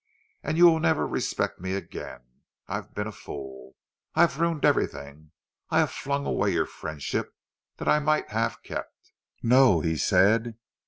And you will never respect me again! I have been a fool—I have ruined everything! I have flung away your friendship, that I might have kept!" "No," he said.